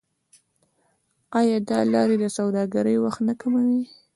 آیا دا لارې د سوداګرۍ وخت نه کموي؟